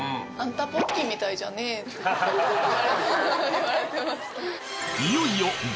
言われてました！